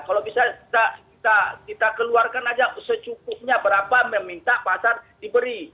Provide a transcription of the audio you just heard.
kalau bisa kita keluarkan aja secukupnya berapa meminta pasar diberi